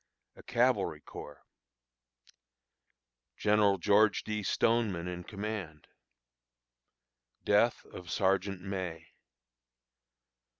A Cavalry Corps. General George D. Stoneman in Command. Death of Sergeant May.